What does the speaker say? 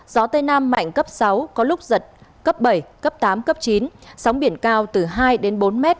gió tây nam mạnh cấp sáu có lúc giật cấp bảy cấp tám cấp chín sóng biển cao từ hai đến bốn m biển động mạnh